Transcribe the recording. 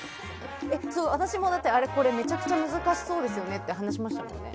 私も、これめちゃくちゃ難しそうですねって話しましたね。